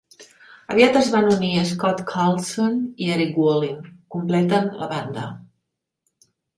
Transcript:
Aviat es van unir Scott Carlson i Erik Wallin, completen la banda.